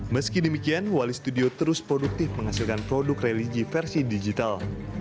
meski demikian wali studio terus produktif menghasilkan produk religi versi digital